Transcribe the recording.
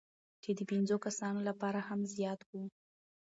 چې د پنځو کسانو لپاره هم زیات وو،